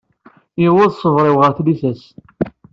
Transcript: Yewweḍ ṣṣber-iw ɣer tlisa-s.